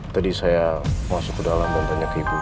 tadi saya masuk ke dalam dan tanya ke ibunya